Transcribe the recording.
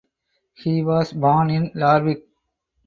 He was born in Larvik.